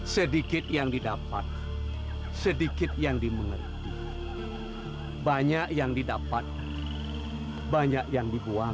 sedikit yang didapat sedikit yang dimengerti banyak yang didapat banyak yang dibuang